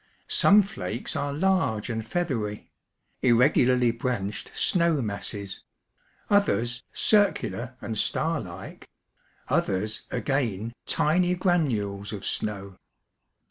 Some flakes are large and feathery ŌĆö ^irregularly branched snow masses ŌĆö others drcular and starlike, others, again, tiny granules of snow.